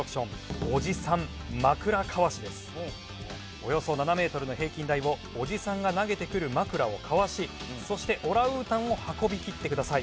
およそ７メートルの平均台をおじさんが投げてくる枕をかわしそしてオランウータンを運びきってください。